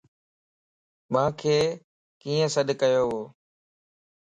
مانک ڪين سڏڪيووَ؟